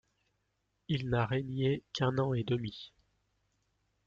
Il n'a régné qu'un an et demi.